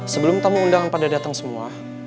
sebelum tamu undangan pada datang semua